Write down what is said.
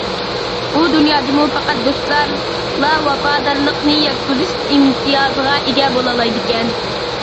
ئۇ دۇنيادىمۇ پەقەت دوستلارلا ۋاپادارلىقىنى يەتكۈزۈش ئىمتىيازىغا ئىگە بولالايدىكەن.